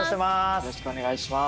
よろしくお願いします。